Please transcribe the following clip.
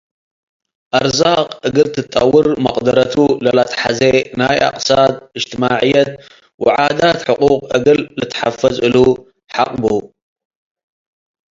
አርዛቅ እግል ተጠውር መቅደረቱ ለለአትሐዜ ናይ እቅትሳድ፡ እጅትማዕየት ወዓዳት ሕቁቁ እግል ልትሐፈዝ እሉ ሐቅቡ።